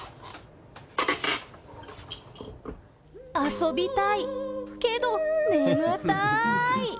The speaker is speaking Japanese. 遊びたい、けど眠たい。